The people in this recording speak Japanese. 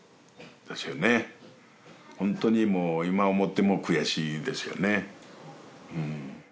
本当にもう今思っても悔しいですよね。